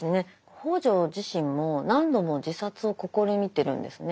北條自身も何度も自殺を試みてるんですね。